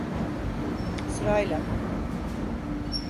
Sırayla.